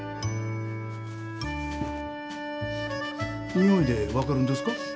匂いで分かるんですか？